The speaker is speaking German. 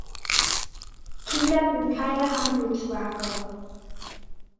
Kinder sind keine Handelsware.